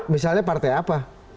misalnya partai apa